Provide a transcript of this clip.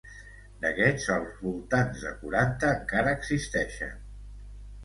D'aquests, als voltants de quaranta encara existeixen.